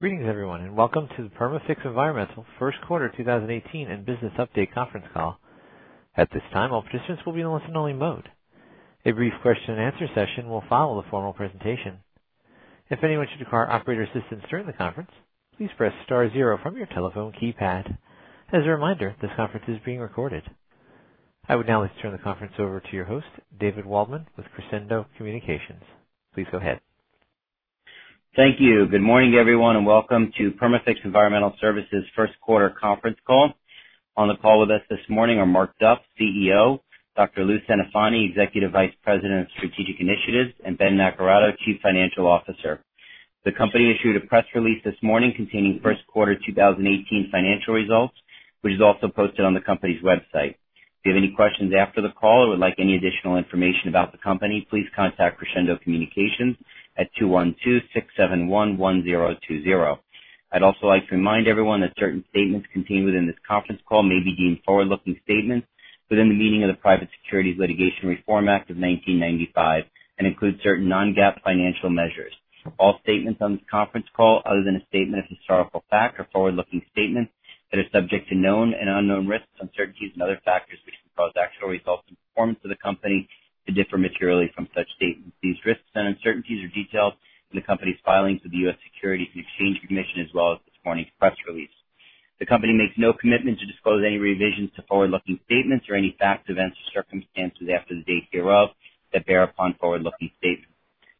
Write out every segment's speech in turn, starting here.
Greetings, everyone, and welcome to the Perma-Fix Environmental first quarter 2018 and business update conference call. At this time, all participants will be in a listen-only mode. A brief question and answer session will follow the formal presentation. If anyone should require operator assistance during the conference, please press star zero from your telephone keypad. As a reminder, this conference is being recorded. I would now like to turn the conference over to your host, David Waldman with Crescendo Communications. Please go ahead. Thank you. Good morning, everyone, and welcome to Perma-Fix Environmental Services first quarter conference call. On the call with us this morning are Mark Duff, CEO, Dr. Louis Centofanti, Executive Vice President of Strategic Initiatives, and Ben Naccarato, Chief Financial Officer. The company issued a press release this morning containing first quarter 2018 financial results, which is also posted on the company's website. If you have any questions after the call or would like any additional information about the company, please contact Crescendo Communications at 212-671-1020. I'd also like to remind everyone that certain statements contained within this conference call may be deemed forward-looking statements within the meaning of the Private Securities Litigation Reform Act of 1995 and include certain non-GAAP financial measures. All statements on this conference call, other than a statement of historical fact, are forward-looking statements that are subject to known and unknown risks, uncertainties, and other factors which cause actual results and performance of the company to differ materially from such statements. These risks and uncertainties are detailed in the company's filings with the U.S. Securities and Exchange Commission, as well as this morning's press release. The company makes no commitment to disclose any revisions to forward-looking statements or any facts, events, or circumstances after the date hereof that bear upon forward-looking statements.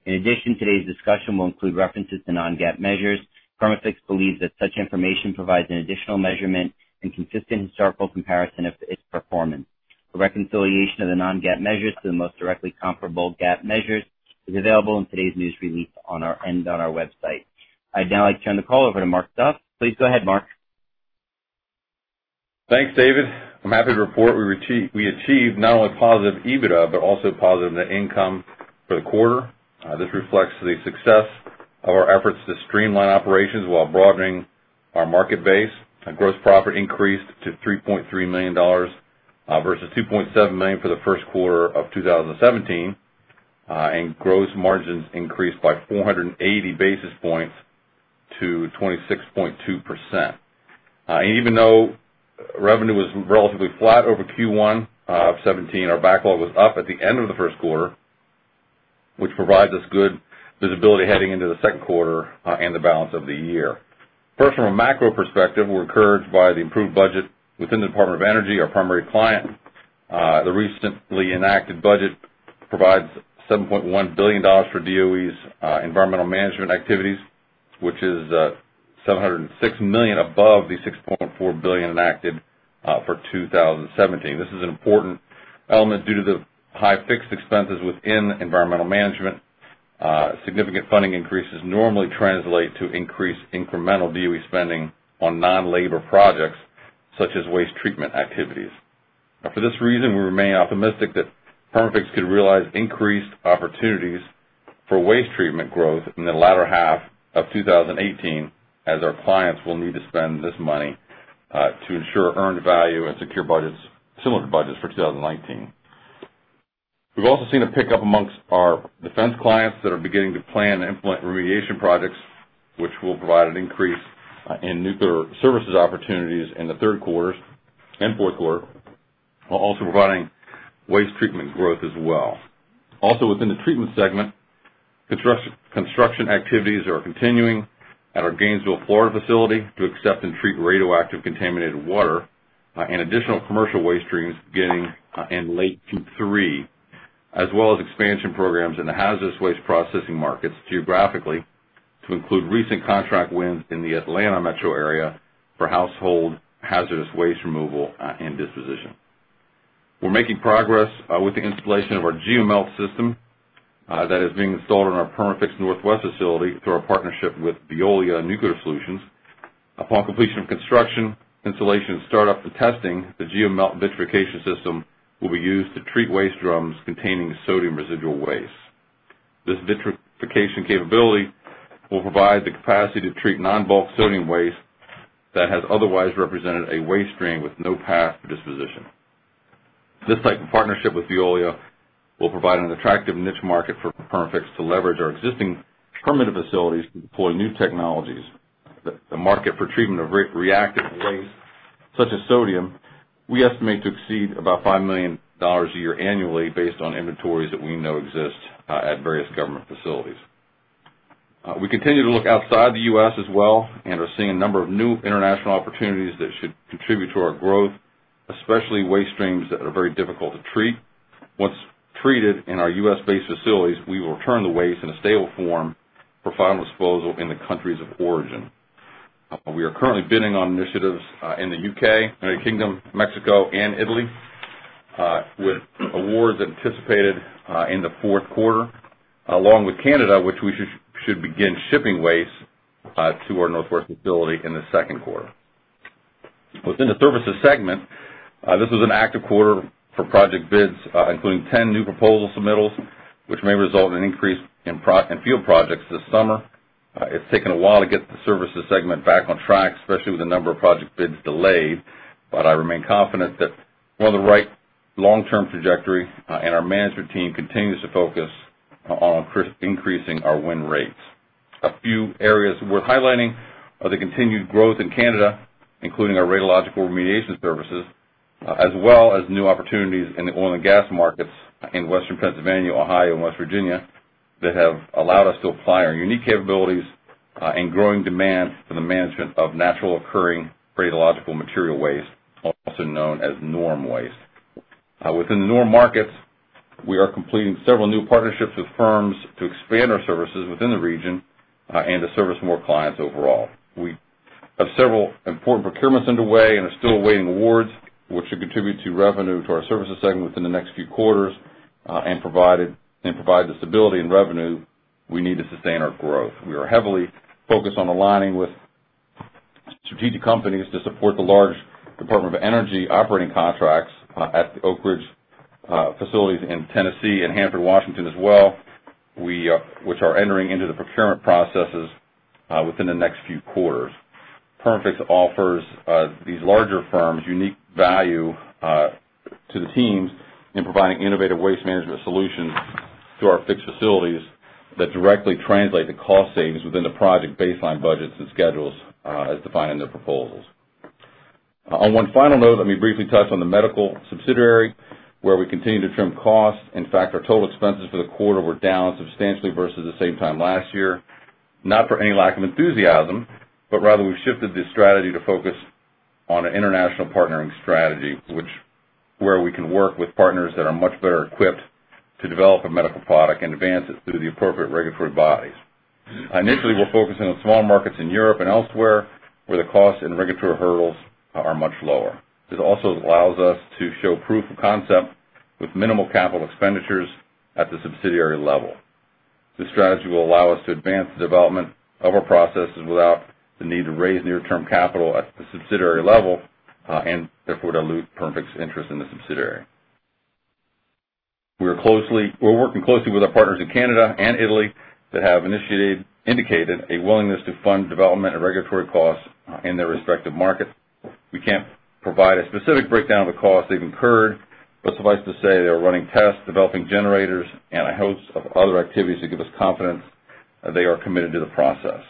In addition, today's discussion will include references to non-GAAP measures. Perma-Fix believes that such information provides an additional measurement and consistent historical comparison of its performance. A reconciliation of the non-GAAP measures to the most directly comparable GAAP measures is available in today's news release and on our website. I'd now like to turn the call over to Mark Duff. Please go ahead, Mark. Thanks, David. I'm happy to report we achieved not only positive EBITDA, but also positive net income for the quarter. This reflects the success of our efforts to streamline operations while broadening our market base. Our gross profit increased to $3.3 million versus $2.7 million for the first quarter of 2017, and gross margins increased by 480 basis points to 26.2%. Even though revenue was relatively flat over Q1 of 2017, our backlog was up at the end of the first quarter, which provides us good visibility heading into the second quarter and the balance of the year. From a macro perspective, we're encouraged by the improved budget within the Department of Energy, our primary client. The recently enacted budget provides $7.1 billion for DOE's environmental management activities, which is $706 million above the $6.4 billion enacted for 2017. This is an important element due to the high fixed expenses within environmental management. Significant funding increases normally translate to increased incremental DOE spending on non-labor projects such as waste treatment activities. For this reason, we remain optimistic that Perma-Fix could realize increased opportunities for waste treatment growth in the latter half of 2018, as our clients will need to spend this money to ensure earned value and secure similar budgets for 2019. We've also seen a pickup amongst our defense clients that are beginning to plan and implement remediation projects, which will provide an increase in nuclear services opportunities in the third quarter and fourth quarter, while also providing waste treatment growth as well. Within the treatment segment, construction activities are continuing at our Gainesville, Florida facility to accept and treat radioactive contaminated water and additional commercial waste streams beginning in late Q3, as well as expansion programs in the hazardous waste processing markets geographically to include recent contract wins in the Atlanta metro area for household hazardous waste removal and disposition. We're making progress with the installation of our GeoMelt system that is being installed in our Perma-Fix Northwest facility through our partnership with Veolia Nuclear Solutions. Upon completion of construction, installation, start-up, and testing, the GeoMelt vitrification system will be used to treat waste drums containing sodium residual waste. This vitrification capability will provide the capacity to treat non-bulk sodium waste that has otherwise represented a waste stream with no path for disposition. This type of partnership with Veolia will provide an attractive niche market for Perma-Fix to leverage our existing permitted facilities to deploy new technologies. The market for treatment of reactive waste such as sodium, we estimate to exceed about $5 million a year annually based on inventories that we know exist at various government facilities. We continue to look outside the U.S. as well and are seeing a number of new international opportunities that should contribute to our growth, especially waste streams that are very difficult to treat. Once treated in our U.S.-based facilities, we will return the waste in a stable form for final disposal in the countries of origin. We are currently bidding on initiatives in the U.K., United Kingdom, Mexico, and Italy with awards anticipated in the fourth quarter, along with Canada, which we should begin shipping waste to our Northwest facility in the second quarter. Within the services segment, this was an active quarter for project bids, including 10 new proposal submittals, which may result in an increase in field projects this summer. It's taken a while to get the services segment back on track, especially with a number of project bids delayed, but I remain confident that we're on the right long-term trajectory and our management team continues to focus on increasing our win rates. A few areas worth highlighting are the continued growth in Canada, including our radiological remediation services, as well as new opportunities in the oil and gas markets in Western Pennsylvania, Ohio, and West Virginia that have allowed us to apply our unique capabilities and growing demand for the management of naturally occurring radiological material waste, also known as NORM waste. Within the NORM markets, we are completing several new partnerships with firms to expand our services within the region and to service more clients overall. We have several important procurements underway and are still awaiting awards, which should contribute to revenue to our services segment within the next few quarters and provide the stability in revenue we need to sustain our growth. We are heavily focused on aligning with strategic companies to support the large Department of Energy operating contracts at the Oak Ridge facilities in Tennessee and Hanford, Washington, as well, which are entering into the procurement processes within the next few quarters. Perma-Fix offers these larger firms unique value to the teams in providing innovative waste management solutions through our fixed facilities that directly translate to cost savings within the project baseline budgets and schedules as defined in their proposals. On one final note, let me briefly touch on the medical subsidiary, where we continue to trim costs. In fact, our total expenses for the quarter were down substantially versus the same time last year, not for any lack of enthusiasm, but rather we've shifted the strategy to focus on an international partnering strategy, where we can work with partners that are much better equipped to develop a medical product and advance it through the appropriate regulatory bodies. Initially, we're focusing on small markets in Europe and elsewhere, where the cost and regulatory hurdles are much lower. This also allows us to show proof of concept with minimal capital expenditures at the subsidiary level. This strategy will allow us to advance the development of our processes without the need to raise near-term capital at the subsidiary level, and therefore dilute Perma-Fix's interest in the subsidiary. We're working closely with our partners in Canada and Italy that have indicated a willingness to fund development and regulatory costs in their respective markets. We can't provide a specific breakdown of the costs they've incurred, but suffice to say, they're running tests, developing generators, and a host of other activities that give us confidence that they are committed to the process.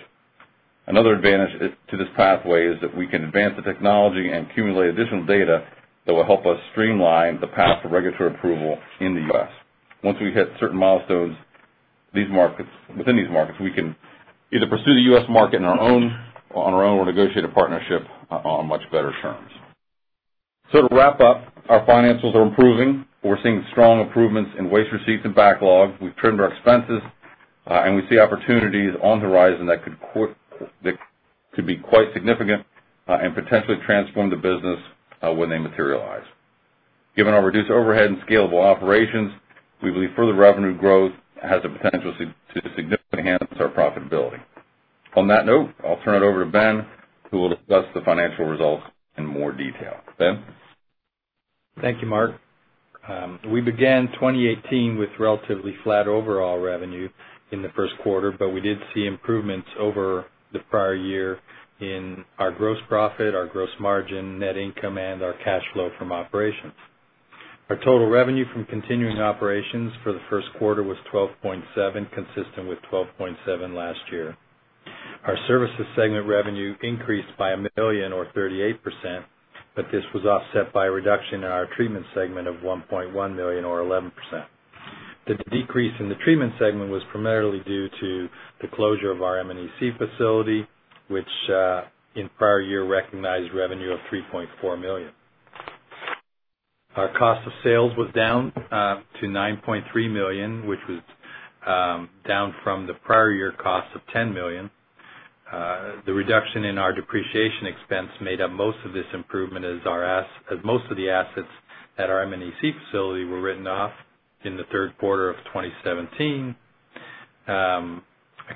Another advantage to this pathway is that we can advance the technology and accumulate additional data that will help us streamline the path to regulatory approval in the U.S. Once we hit certain milestones within these markets, we can either pursue the U.S. market on our own or negotiate a partnership on much better terms. To wrap up, our financials are improving. We're seeing strong improvements in waste receipts and backlog. We've trimmed our expenses, we see opportunities on the horizon that could be quite significant and potentially transform the business when they materialize. Given our reduced overhead and scalable operations, we believe further revenue growth has the potential to significantly enhance our profitability. On that note, I'll turn it over to Ben, who will discuss the financial results in more detail. Ben? Thank you, Mark. We began 2018 with relatively flat overall revenue in the first quarter, we did see improvements over the prior year in our gross profit, our gross margin, net income, and our cash flow from operations. Our total revenue from continuing operations for the first quarter was $12.7, consistent with $12.7 last year. Our services segment revenue increased by $1 million, or 38%, but this was offset by a reduction in our treatment segment of $1.1 million, or 11%. The decrease in the treatment segment was primarily due to the closure of our M&EC facility, which in the prior year recognized revenue of $3.4 million. Our cost of sales was down to $9.3 million, which was down from the prior year cost of $10 million. The reduction in our depreciation expense made up most of this improvement, as most of the assets at our M&EC facility were written off in the third quarter of 2017,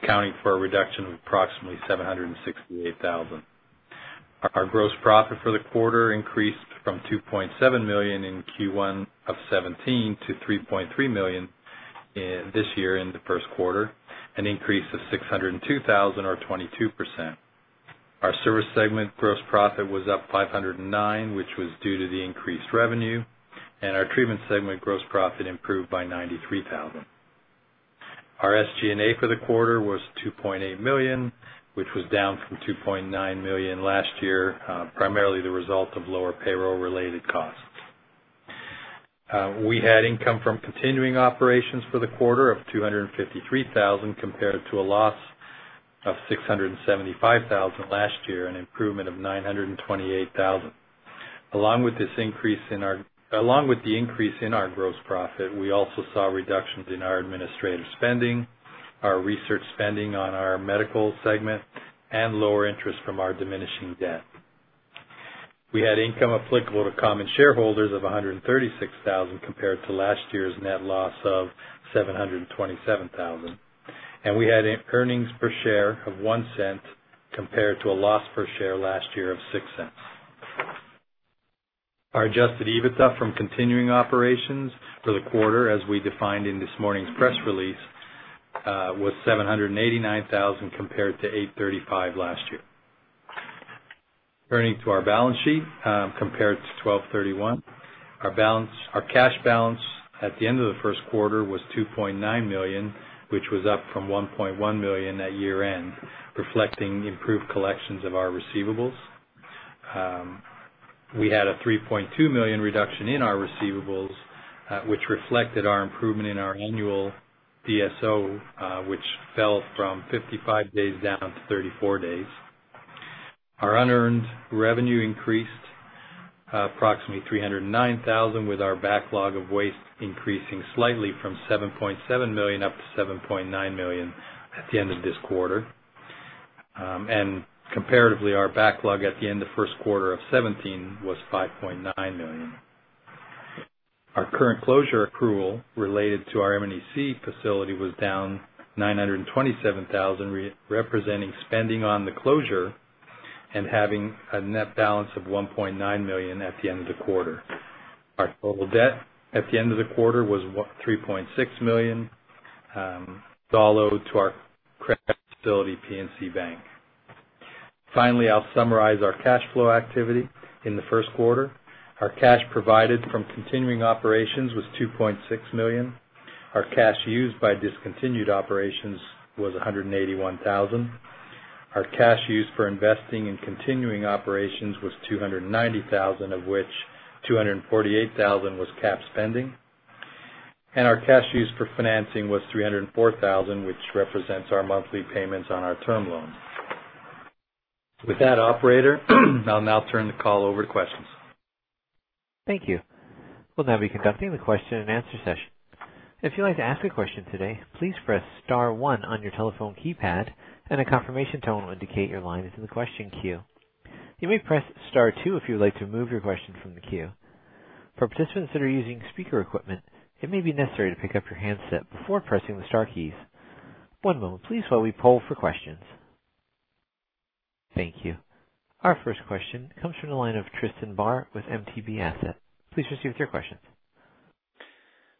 accounting for a reduction of approximately $768,000. Our gross profit for the quarter increased from $2.7 million in Q1 of 2017 to $3.3 million this year in the first quarter, an increase of $602,000, or 22%. Our service segment gross profit was up $509, which was due to the increased revenue, and our treatment segment gross profit improved by $93,000. Our SG&A for the quarter was $2.8 million, which was down from $2.9 million last year, primarily the result of lower payroll-related costs. We had income from continuing operations for the quarter of $253,000 compared to a loss of $675,000 last year, an improvement of $928,000. Along with the increase in our gross profit, we also saw reductions in our administrative spending, our research spending on our medical segment, lower interest from our diminishing debt. We had income applicable to common shareholders of $136,000 compared to last year's net loss of $727,000, we had earnings per share of $0.01 compared to a loss per share last year of $0.06. Our adjusted EBITDA from continuing operations for the quarter, as we defined in this morning's press release, was $789,000 compared to $835 last year. Turning to our balance sheet compared to 1231. Our cash balance at the end of the first quarter was $2.9 million, which was up from $1.1 million at year-end, reflecting improved collections of our receivables. We had a $3.2 million reduction in our receivables, which reflected our improvement in our annual DSO, which fell from 55 days down to 34 days. Our unearned revenue increased approximately $309,000, with our backlog of waste increasing slightly from $7.7 million up to $7.9 million at the end of this quarter. Comparatively, our backlog at the end of the first quarter of 2017 was $5.9 million. Our current closure accrual related to our M&EC facility was down $927,000, representing spending on the closure and having a net balance of $1.9 million at the end of the quarter. Our total debt at the end of the quarter was $3.6 million, it's all owed to our credit facility, PNC Bank. Finally, I'll summarize our cash flow activity in the first quarter. Our cash provided from continuing operations was $2.6 million. Our cash used by discontinued operations was $181,000. Our cash used for investing in continuing operations was $290,000, of which $248,000 was cap spending. Our cash used for financing was $304,000, which represents our monthly payments on our term loans. With that, operator, I'll now turn the call over to questions. Thank you. We'll now be conducting the question and answer session. If you'd like to ask a question today, please press star one on your telephone keypad, and a confirmation tone will indicate your line is in the question queue. You may press star two if you would like to remove your question from the queue. For participants that are using speaker equipment, it may be necessary to pick up your handset before pressing the star keys. One moment please while we poll for questions. Thank you. Our first question comes from the line of Tristan Barr with MTB Asset. Please proceed with your questions.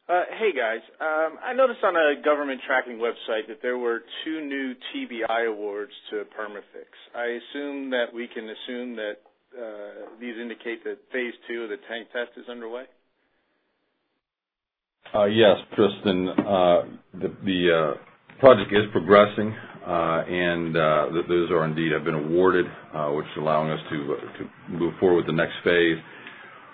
Hey, guys. I noticed on a government tracking website that there were two new TBI awards to Perma-Fix. I assume that we can assume that these indicate that phase two of the tank test is underway? Yes, Tristan. The project is progressing, those indeed have been awarded, which is allowing us to move forward with the next phase.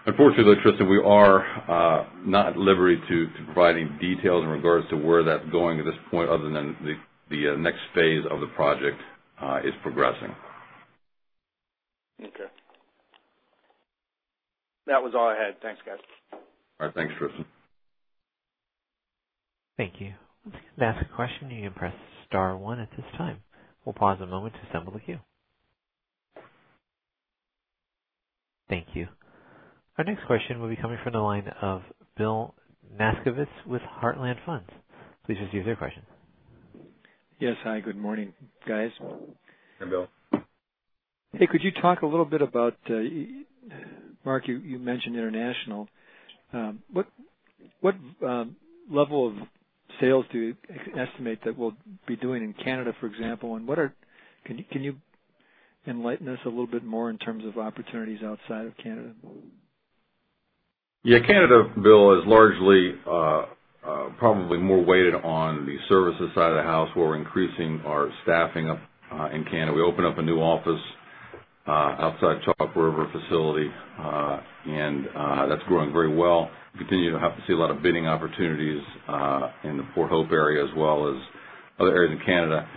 Unfortunately, though, Tristan, we are not at liberty to providing details in regards to where that's going at this point, other than the next phase of the project is progressing. Okay. That was all I had. Thanks, guys. All right. Thanks, Tristan. Thank you. Once again, to ask a question, you can press star one at this time. We'll pause a moment to assemble the queue. Thank you. Our next question will be coming from the line of Bill Nasgovitz with Heartland Funds. Please proceed with your question. Yes. Hi, good morning, guys. Hi, Bill. Hey, could you talk a little bit about, Mark, you mentioned international. What level of sales do you estimate that we'll be doing in Canada, for example, and can you enlighten us a little bit more in terms of opportunities outside of Canada? Yeah. Canada, Bill, is largely probably more weighted on the services side of the house. We're increasing our staffing up in Canada. We opened up a new office outside Chalk River facility, and that's growing very well. We continue to have to see a lot of bidding opportunities in the Port Hope area as well as other areas in Canada.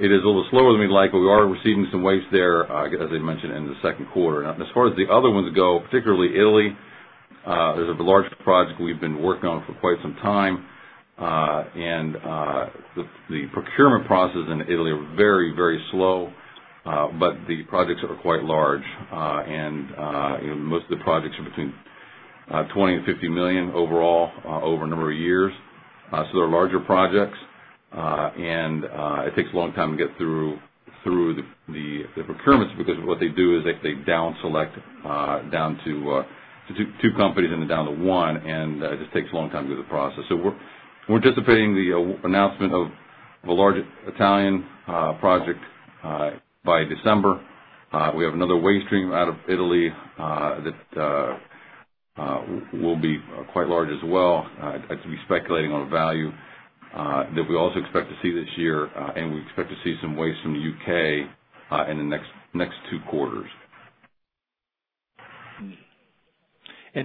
It is a little slower than we'd like, but we are receiving some waste there, as I mentioned, in the second quarter. As far as the other ones go, particularly Italy, is the largest project we've been working on for quite some time. The procurement processes in Italy are very slow, but the projects are quite large. Most of the projects are between $20 million and $50 million overall over a number of years. They're larger projects. It takes a long time to get through the procurements, because what they do is they down select down to two companies and then down to one, it just takes a long time to do the process. We're anticipating the announcement of a large Italian project by December. We have another waste stream out of Italy that will be quite large as well. I'd have to be speculating on a value that we also expect to see this year, we expect to see some waste from the U.K. in the next two quarters.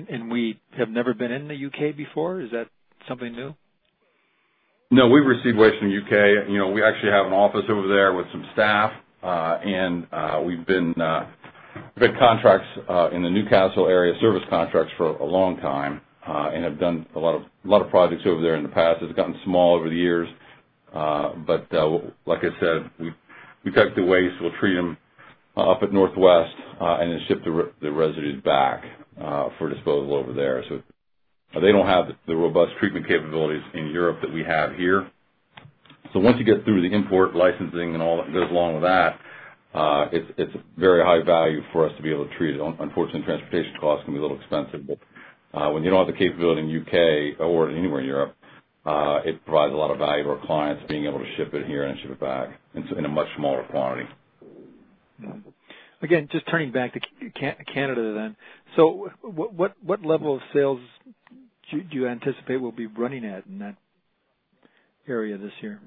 We have never been in the U.K. before? Is that something new? No, we've received waste from the U.K. We actually have an office over there with some staff. We've bid contracts in the Newcastle area, service contracts, for a long time and have done a lot of projects over there in the past. It's gotten small over the years. Like I said, we take the waste, we'll treat them up at Northwest, then ship the residues back for disposal over there. They don't have the robust treatment capabilities in Europe that we have here. Once you get through the import licensing and all that goes along with that, it's very high value for us to be able to treat it. Unfortunately, transportation costs can be a little expensive, when you don't have the capability in the U.K. or anywhere in Europe, it provides a lot of value to our clients being able to ship it here and ship it back in a much smaller quantity. Turning back to Canada then. What level of sales do you anticipate we'll be running at in that area this year?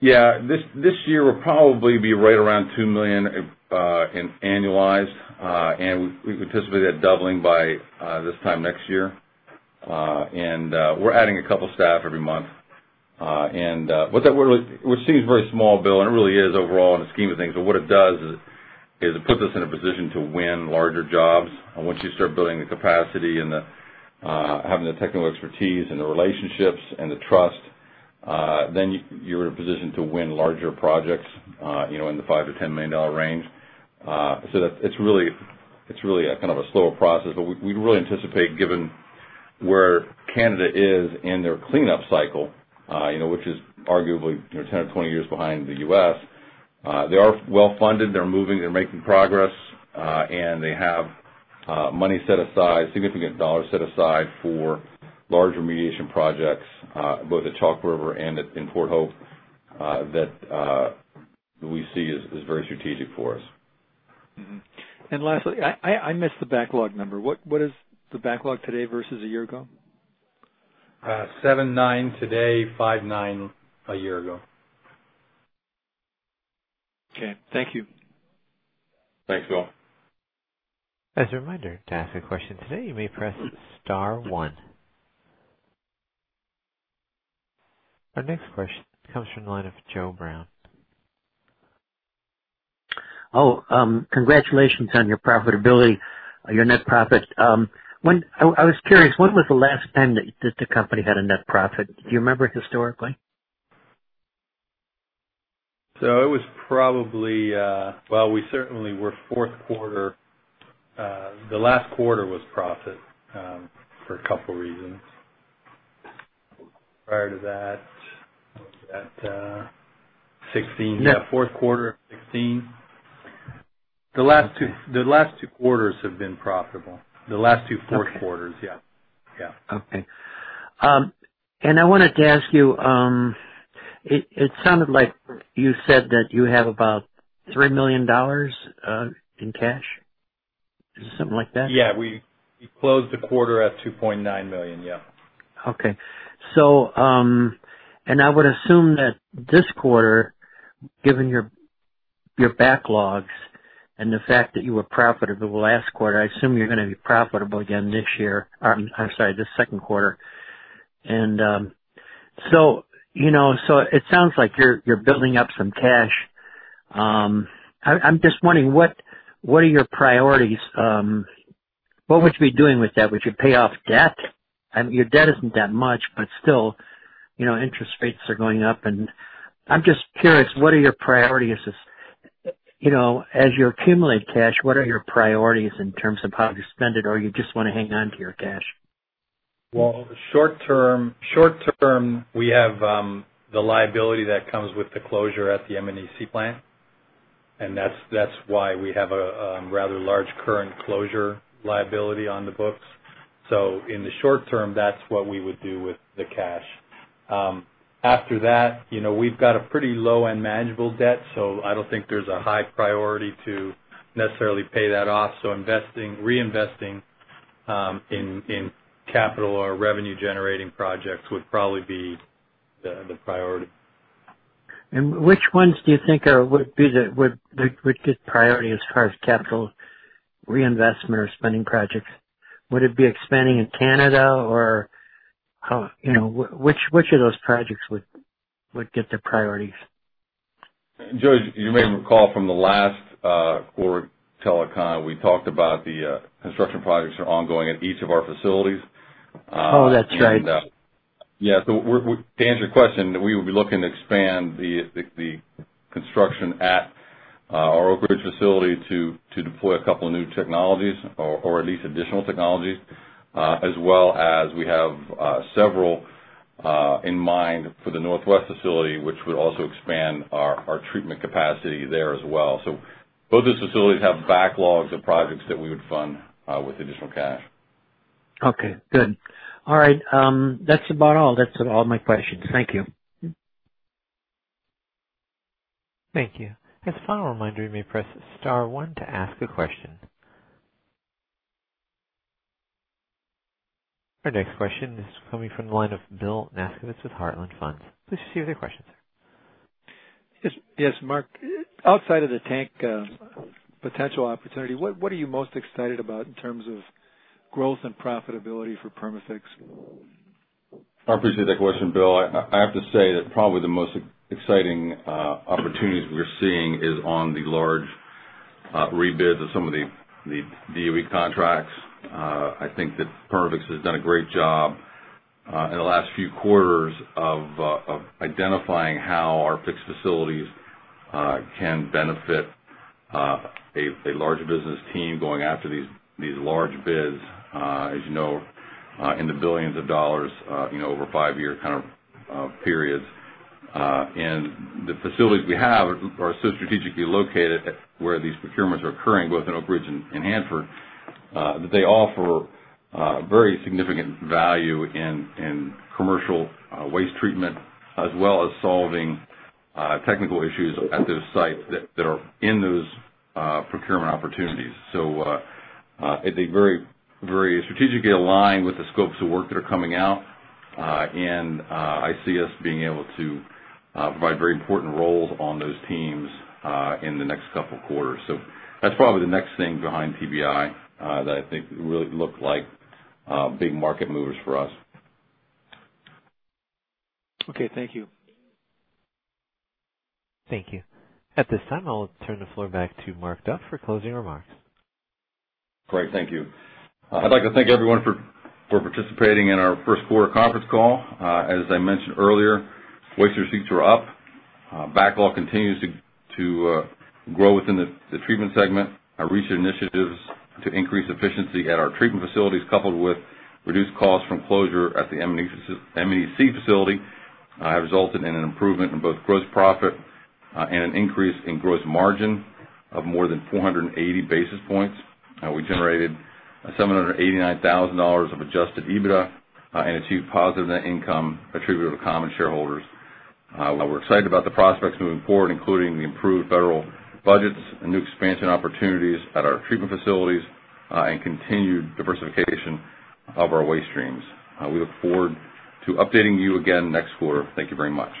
Yeah. This year will probably be right around $2 million in annualized. We participate at doubling by this time next year. We're adding a couple staff every month. What seems very small, Bill, and it really is overall in the scheme of things, but what it does is it puts us in a position to win larger jobs. Once you start building the capacity and having the technical expertise and the relationships and the trust, then you're in a position to win larger projects in the $5 million-$10 million range. It's really a slower process. We really anticipate, given where Canada is in their cleanup cycle, which is arguably 10 or 20 years behind the U.S. They are well-funded. They're moving, they're making progress, and they have money set aside, significant dollars set aside for large remediation projects, both at Chalk River and in Port Hope. That we see as very strategic for us. Mm-hmm. Lastly, I missed the backlog number. What is the backlog today versus a year ago? $7.9 million today, 5$.9 million a year ago. Okay. Thank you. Thanks, Bill. As a reminder, to ask a question today, you may press star one. Our next question comes from the line of Joe Brown. Oh, congratulations on your profitability, your net profit. I was curious, when was the last time that the company had a net profit? Do you remember historically? It was probably, well, we certainly were fourth quarter. The last quarter was profit, for a couple reasons. Prior to that, was that '16. Yeah. Fourth quarter of 2016. The last two quarters have been profitable. The last two fourth quarters. Okay. Yeah. Okay. I wanted to ask you, it sounded like you said that you have about $3 million in cash, something like that? Yeah, we closed the quarter at $2.9 million. Yeah. Okay. I would assume that this quarter, given your backlogs and the fact that you were profitable last quarter, I assume you're going to be profitable again this year. I'm sorry, this second quarter. It sounds like you're building up some cash. I'm just wondering what are your priorities? What would you be doing with that? Would you pay off debt? Your debt isn't that much, but still, interest rates are going up and I'm just curious, what are your priorities? As you accumulate cash, what are your priorities in terms of how you spend it? You just want to hang on to your cash? Well, short-term, we have the liability that comes with the closure at the M&EC plant, and that's why we have a rather large current closure liability on the books. In the short term, that's what we would do with the cash. After that, we've got a pretty low and manageable debt, so I don't think there's a high priority to necessarily pay that off. Reinvesting in capital or revenue-generating projects would probably be the priority. Which ones do you think would get priority as far as capital reinvestment or spending projects? Would it be expanding in Canada or, which of those projects would get the priorities? Joe, you may recall from the last quarter telecon, we talked about the construction projects are ongoing at each of our facilities. Oh, that's right. Yeah. To answer your question, we would be looking to expand the construction at our Oak Ridge facility to deploy a couple new technologies, or at least additional technologies, as well as we have several in mind for the Northwest facility, which would also expand our treatment capacity there as well. Both those facilities have backlogs of projects that we would fund with additional cash. Okay, good. All right. That's about all. That's all my questions. Thank you. Thank you. As a final reminder, you may press star one to ask a question. Our next question is coming from the line of Bill Nasgovitz with Heartland Funds. Please proceed with your question, sir. Yes, Mark. Outside of the tank potential opportunity, what are you most excited about in terms of growth and profitability for Perma-Fix? I appreciate that question, Bill. I have to say that probably the most exciting opportunities we're seeing is on the large rebid of some of the DOE contracts. I think that Perma-Fix has done a great job in the last few quarters of identifying how our fixed facilities can benefit a large business team going after these large bids. As you know, in the billions of dollars, over five-year kind of periods. The facilities we have are so strategically located where these procurements are occurring, both in Oak Ridge and Hanford, that they offer very significant value in commercial waste treatment, as well as solving technical issues at those sites that are in those procurement opportunities. They very strategically align with the scopes of work that are coming out. I see us being able to provide very important roles on those teams in the next couple quarters. That's probably the next thing behind TBI that I think really look like big market movers for us. Okay. Thank you. Thank you. At this time, I'll turn the floor back to Mark Duff for closing remarks. Great. Thank you. I'd like to thank everyone for participating in our first quarter conference call. As I mentioned earlier, waste receipts were up. Backlog continues to grow within the treatment segment. Our recent initiatives to increase efficiency at our treatment facilities, coupled with reduced costs from closure at the M&EC facility, have resulted in an improvement in both gross profit and an increase in gross margin of more than 480 basis points. We generated $789,000 of adjusted EBITDA and achieved positive net income attributable to common shareholders. We're excited about the prospects moving forward, including the improved federal budgets and new expansion opportunities at our treatment facilities, and continued diversification of our waste streams. We look forward to updating you again next quarter. Thank you very much.